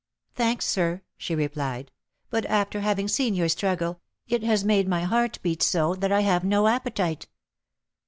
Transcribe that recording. "Thanks, sir," she replied, "but, after having seen your struggle, it has made my heart beat so that I have no appetite."